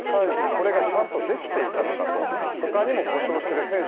これがちゃんとできていたのかとほかにも故障している選手